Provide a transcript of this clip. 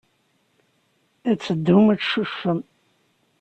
Ad teddum ad teccucfem.